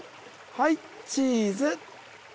はいチーズ